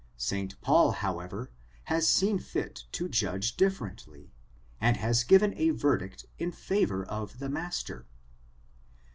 St. Paul, how ever, has seen fit to judge differently, and has given a verdict in favor of the master.